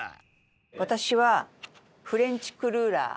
私はフレンチクルーラー。